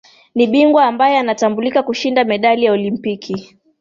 ni bingwa ambae anatambulika kushinda medali ya olimpiki